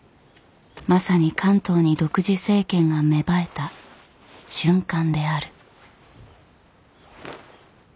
まさに関東に独自政権が芽生えた瞬間である。